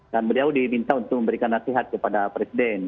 dan beliau diminta untuk memberikan nasihat kepada presiden